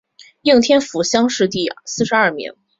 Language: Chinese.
应天府乡试第四十二名。